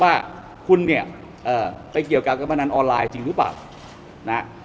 ว่าคุณเนี่ยไปเกี่ยวกับการพนันออนไลน์จริงหรือเปล่านะ